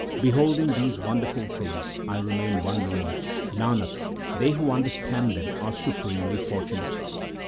Beholding these wonderful things I remain wondering. Nanak, they who understand them are supremely fortunate.